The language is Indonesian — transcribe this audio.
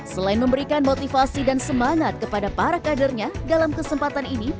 selain memberikan motivasi dan semangat kepada para kadernya dalam kesempatan ini